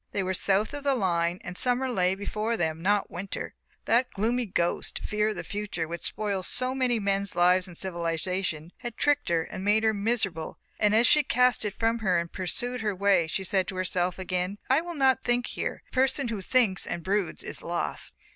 They were south of the line and summer lay before them, not winter. That gloomy ghost, fear of the Future, which spoils so many men's lives in Civilization, had tricked her and made her miserable and as she cast it from her and pursued her way she said to herself again: "I will not think, here the person who thinks and broods is lost."